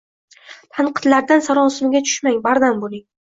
Tanqidlardan sarosimaga tushmang, bardam bo‘ling.